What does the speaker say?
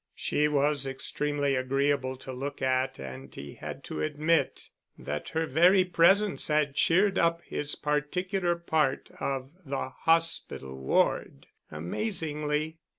She was extremely agreeable to look at and he had to admit that her very presence had cheered up his particular part of the hospital ward amazingly.